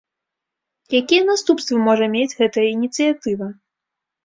Якія наступствы можа мець гэтая ініцыятыва?